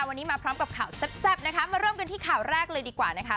วันนี้มาพร้อมกับข่าวแซ่บนะคะมาเริ่มกันที่ข่าวแรกเลยดีกว่านะคะ